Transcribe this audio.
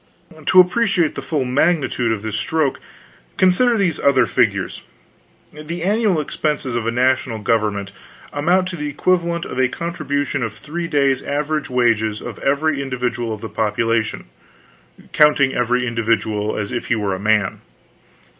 To appreciate the full magnitude of this stroke, consider these other figures: the annual expenses of a national government amount to the equivalent of a contribution of three days' average wages of every individual of the population, counting every individual as if he were a man.